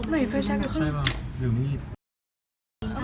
ไม่ใช่บ้าง